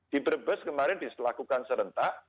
di brebes kemarin dilakukan serentak